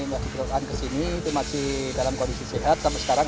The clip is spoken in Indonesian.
masih terusan kesini itu masih dalam kondisi sehat sampai sekarang